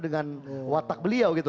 dengan watak beliau gitu